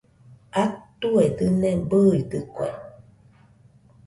Atue dɨne bɨidɨkue